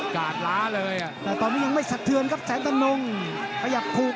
กาลล้าเลยง่าย